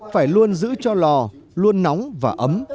phải luôn giữ cho lò luôn nóng và ấm